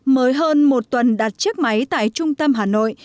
mới hơn một tuần đặt chiếc máy tại trung tâm hà nội